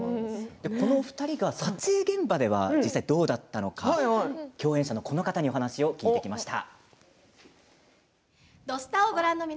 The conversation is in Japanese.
撮影現場では実際どうだったのか共演者のこの方に話を聞いてきました。